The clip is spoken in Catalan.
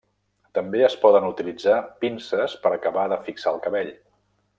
També es poden utilitzar pinces per acabar de fixar el cabell.